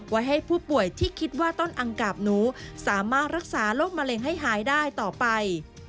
ไว้ให้ผู้ป่วยที่คิดว่าต้นอังกาบหนูสามารถรักษาโรคมะเร็งให้หายได้ต่อไป